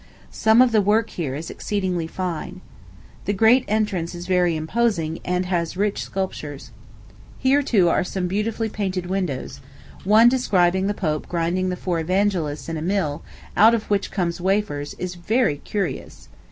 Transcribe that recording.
Some of the work here is exceedingly fine. The great entrance is very imposing, and has rich sculptures. Here, too, are some beautifully painted windows one describing the pope grinding the four evangelists in a mill, out of which comes wafers, is very curious.